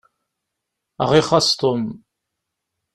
Ad aɣ-ixaṣ Tom.